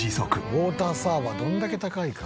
ウォーターサーバーどんだけ高いか。